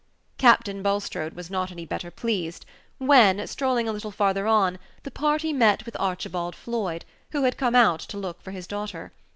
Captain Bulstrode was not any better pleased when, strolling a little farther on, the party met with Archibald Floyd, who had come out to look for his daughter.